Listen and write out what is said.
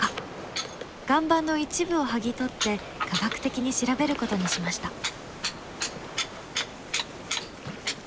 岩盤の一部を剥ぎ取って科学的に調べることにしました。